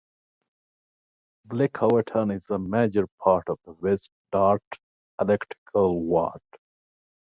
"Blackawton" is a major part of the West Dart electoral ward.